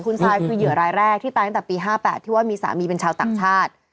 คุณซายคือเหยื่อรายแรกที่ตายตั้งแต่ปี๕๘ที่ว่ามีสามีเป็นชาวต่างชาติ